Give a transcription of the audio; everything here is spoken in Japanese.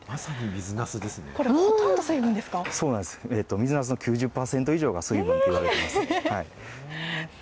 水なすの９０％以上が水分といわれてます。